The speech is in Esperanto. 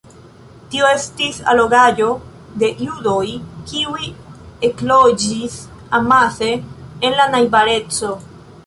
Tio estis allogaĵo de judoj, kiuj ekloĝis amase en la najbareco.